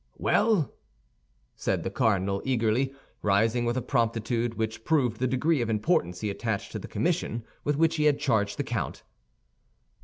"Well?" said the cardinal, eagerly, rising with a promptitude which proved the degree of importance he attached to the commission with which he had charged the count.